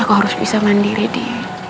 aku harus bisa mandiri di